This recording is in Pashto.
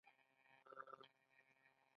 ایا راتلونکي ته خوشبین یاست؟